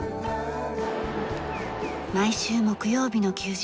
毎週木曜日の休日